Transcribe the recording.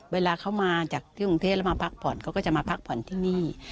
เวลาเขามาจากสระเฮียงรุงเทศมาพักผ่อนก็จะมาพักผ่อนด้านนี้